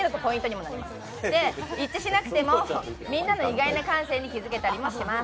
うれしいし、一致しなくても、みんなの意外な感性に気づけたりします。